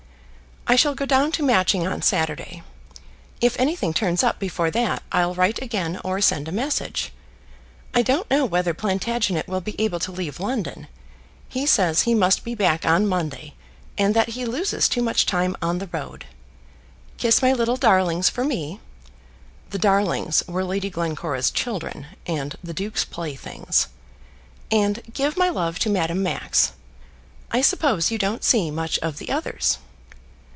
I shall go down to Matching on Saturday. If anything turns up before that, I'll write again, or send a message. I don't know whether Plantagenet will be able to leave London. He says he must be back on Monday, and that he loses too much time on the road. Kiss my little darlings for me, [the darlings were Lady Glencora's children, and the duke's playthings] and give my love to Madame Max. I suppose you don't see much of the others.